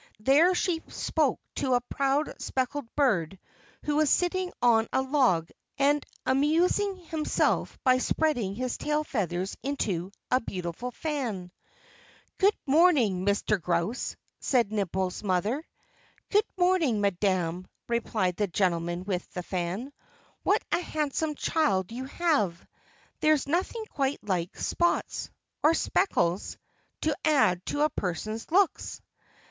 There she spoke to a proud speckled bird who was sitting on a log and amusing himself by spreading his tail feathers into a beautiful fan. "Good morning, Mr. Grouse!" said Nimble's mother. "Good morning, madam!" replied the gentleman with the fan. "What a handsome child you have! There's nothing quite like spots or speckles to add to a person's looks."